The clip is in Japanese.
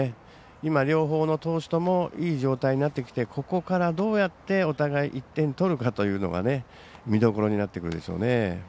今、両方の投手ともいい状態になってきてここからどうやってお互い１点取るかというところが見どころになってくるでしょうね。